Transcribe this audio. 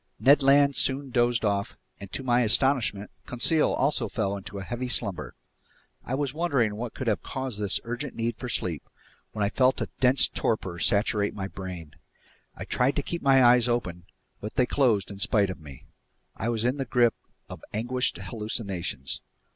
Ned Land soon dozed off, and to my astonishment, Conseil also fell into a heavy slumber. I was wondering what could have caused this urgent need for sleep, when I felt a dense torpor saturate my brain. I tried to keep my eyes open, but they closed in spite of me. I was in the grip of anguished hallucinations.